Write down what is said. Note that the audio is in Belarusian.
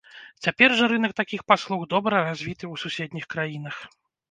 Цяпер жа рынак такіх паслуг добра развіты ў суседніх краінах.